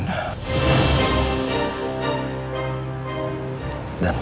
dan saya bersedia untuk membantu anda